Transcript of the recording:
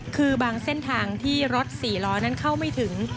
คือบางเส้นทางที่รถ๔ล้อนั้นเข้าไม่ถึง